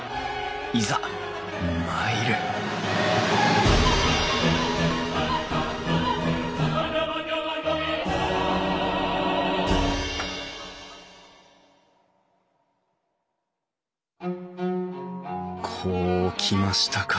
いざ参るこうきましたか。